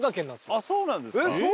あっそうなんですか？